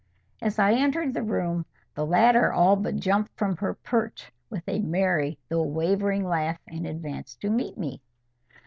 As I entered the room, the latter all but jumped from her perch with a merry though wavering laugh, and advanced to meet me.